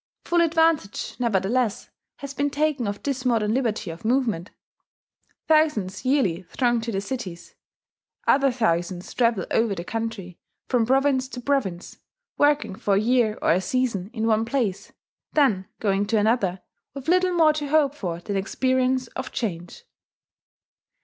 Full advantage, nevertheless, has been taken of this modern liberty of movement: thousands yearly throng to the cities; other thousands travel over the country, from province to province; working for a year or a season in one place, then going to another, with little more to hope for than experience of change.